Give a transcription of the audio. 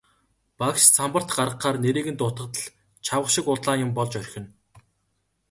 Багш самбарт гаргахаар нэрийг нь дуудахад л чавга шиг улаан юм болж орхино.